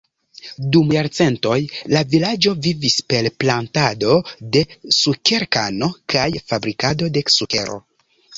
Dum jarcentoj, la vilaĝo vivis per plantado de sukerkano kaj fabrikado de sukero.